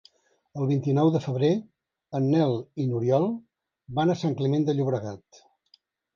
El vint-i-nou de febrer en Nel i n'Oriol van a Sant Climent de Llobregat.